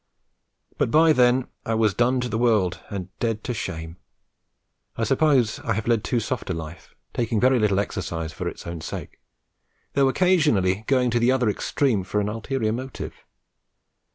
But by then I was done to the world and dead to shame. I suppose I have led too soft a life, taking very little exercise for its own sake, though occasionally going to the other extreme from an ulterior motive.